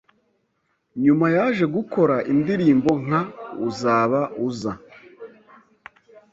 Nyuma yaje gukora indirimbo nka Uzaba Uza